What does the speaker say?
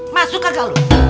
masuk kaga lu